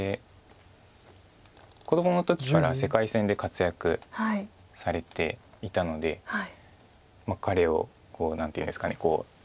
子どもの時から世界戦で活躍されていたので彼を何ていうんですか。